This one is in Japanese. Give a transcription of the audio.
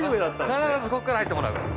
必ずこっから入ってもらうから。